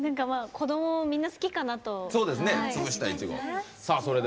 子ども、みんな好きかなと。